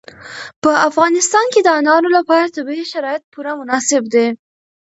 په افغانستان کې د انارو لپاره طبیعي شرایط پوره مناسب دي.